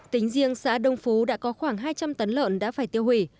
tính riêng xã đông phú đã có khoảng hai trăm linh tấn lợn đã phải tiêu hủy